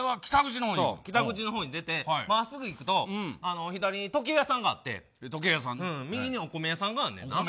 北口出て、真っすぐ行くと左に時計屋さんがあって右にお米屋さんがあんねんな。